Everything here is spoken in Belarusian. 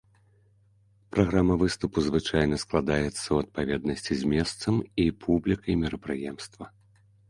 Праграма выступу звычайна складаецца ў адпаведнасці з месцам і публікай мерапрыемства.